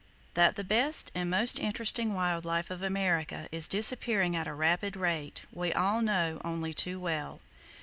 That the best and most interesting wild life of America is disappearing at a rapid rate, we all know only too well.